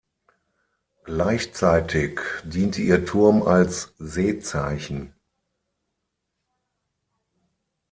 Gleichzeitig diente ihr Turm als Seezeichen.